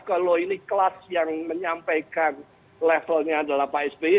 kalau ini kelas yang menyampaikan levelnya adalah pak sby